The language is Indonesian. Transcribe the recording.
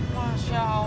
masya allah pur